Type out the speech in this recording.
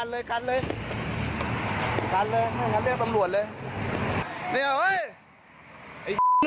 ล้าน